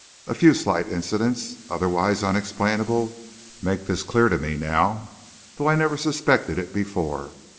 A few slight incidents, otherwise unexplainable, make this clear to me now, though I never suspected it before.